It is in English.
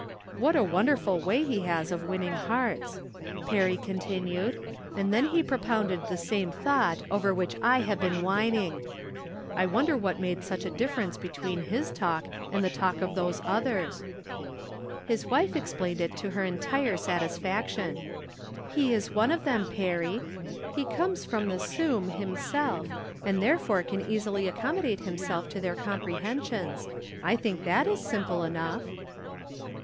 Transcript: " What a wonderful way he has of winning hearts," Perry continued, and then he propounded the same thought over which I have been whin ing :" I wonder what made such a difference be tween his talk and the talk 'of those others ?" His wife explained it to her entire satisfac tion :" He is one of them. Perry ; he comes from the scum himself, and therefore can easily accommo date himself to their comprehensions. I think that is simple enough."